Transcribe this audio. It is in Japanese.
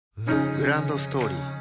グランドストーリー